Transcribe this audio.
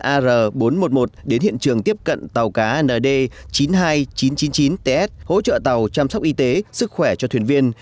ar bốn trăm một mươi một đến hiện trường tiếp cận tàu cá nd chín mươi hai nghìn chín trăm chín mươi chín ts hỗ trợ tàu chăm sóc y tế sức khỏe cho thuyền viên